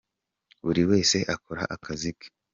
buriwese akora akazi ke.